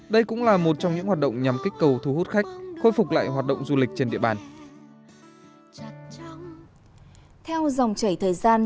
đây cũng là một trong những hoạt động nhằm kích cầu thu hút khách khôi phục lại hoạt động du lịch trên địa bàn